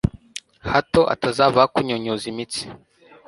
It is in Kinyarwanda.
hato atazavaho akunyunyuza imitsi